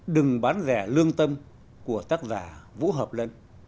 đừng bán rẻ lương tâm của tác giả vũ hợp lân